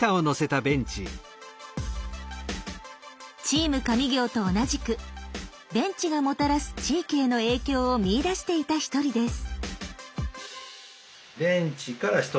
「チーム上京！」と同じくベンチがもたらす地域への影響を見いだしていた一人です。